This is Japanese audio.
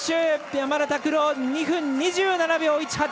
山田は２分２７秒１８。